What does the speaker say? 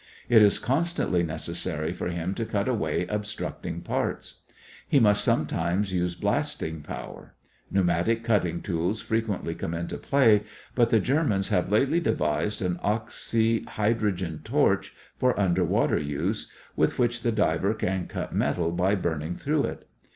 It is constantly necessary for him to cut away obstructing parts. He must sometimes use blasting power. Pneumatic cutting tools frequently come into play, but the Germans have lately devised an oxy hydrogen torch for underwater use, with which the diver can cut metal by burning through it.